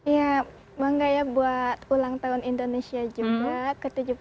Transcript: ya bangga ya buat ulang tahun indonesia juga ke tujuh puluh dua